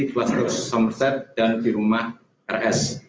cluster somerset dan di rumah rs